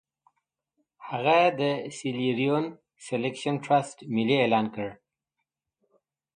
هغه د سیریلیون سیلکشن ټرست ملي اعلان کړ.